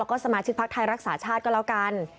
ก็สมาชิกพักไทยรักษาชาติก็แล้วกัน